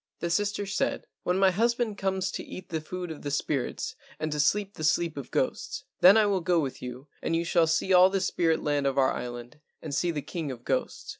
The sister said, "When my husband comes to eat the food of the spirits and to sleep the sleep of ghosts, then I will go with you and you shall see all the spirit land of our island and see the king of ghosts."